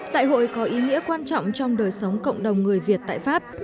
đại hội có ý nghĩa quan trọng trong đời sống cộng đồng người việt tại pháp